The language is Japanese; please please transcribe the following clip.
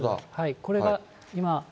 これが今。